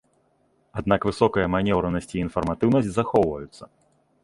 Аднак высокая манеўранасць і інфарматыўнасць захоўваюцца.